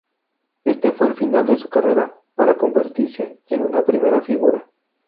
Este fue el final de su carrera para convertirse en una primera figura.